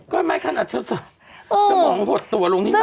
ก็ไม่ขนาดสมองหดตัวลงนี้มาก